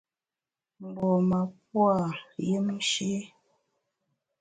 Mgbom-a pua’ yùmshi.